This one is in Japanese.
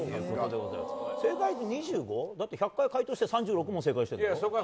正解数２５？１００回解答して３６問正解してるんでしょ。